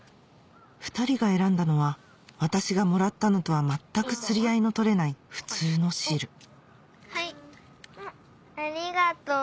２人が選んだのは私がもらったのとは全く釣り合いの取れない普通のシールありがとう。